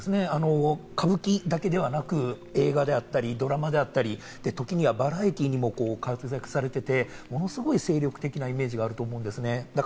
歌舞伎だけではなく、映画であったりドラマであったり、時にはバラエティーでもご活躍されていて、ものすごい精力的なイメージがあると思うんですね。